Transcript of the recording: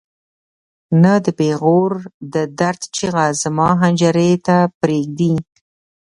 نه د پېغور د درد چیغه زما حنجرې ته پرېږدي.